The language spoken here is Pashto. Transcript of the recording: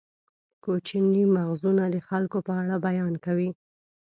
کوچني مغزونه د خلکو په اړه بیان کوي.